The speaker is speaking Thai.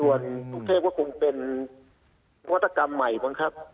ส่วนลูกเทพว่าคุณเป็นวัตกรรมใหม่บ้างครับ